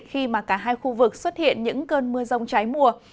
khi mà cả hai khu vực xuất hiện những cơn mưa rông trái mùa